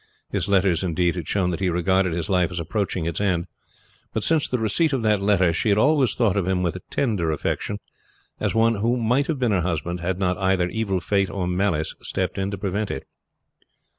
His letters indeed had shown that he regarded his life as approaching its end; but since the receipt of that letter she had always thought of him with a tender affection as one who might have been her husband had not either evil fate or malice stepped in to prevent it.